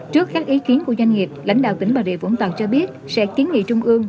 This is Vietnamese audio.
trước các ý kiến của doanh nghiệp lãnh đạo tỉnh bà rịa vũng tàu cho biết sẽ kiến nghị trung ương